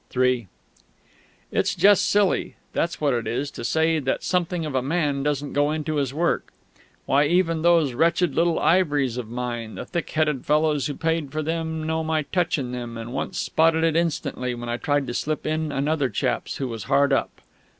III It's just silly that's what it is to say that something of a man doesn't go into his work. Why, even those wretched little ivories of mine, the thick headed fellows who paid for them knew my touch in them, and once spotted it instantly when I tried to slip in another chap's who was hard up.